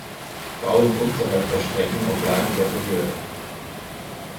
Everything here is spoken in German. Bau und Unterhalt der Strecken oblagen der Behörde.